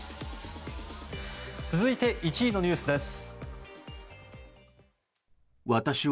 続いて１位のニュースです。